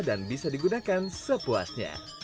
dan bisa digunakan sepuasnya